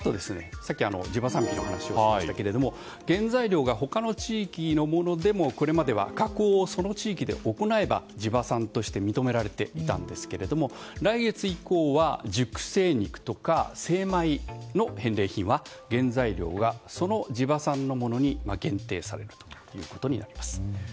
さっき地場産品の話をしましたけども原材料が他の地域のものでもこれまでは加工を、その地域で行えば、地場産として認められていましたが来月以降は熟成肉とか精米の返礼品は原材料がその地場産のものに限定されるということになります。